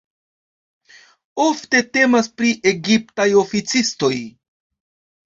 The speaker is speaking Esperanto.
Ofte temas pri egiptaj oficistoj.